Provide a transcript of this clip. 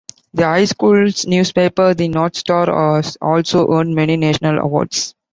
The high school's newspaper, "The North Star", has also earned many national awards.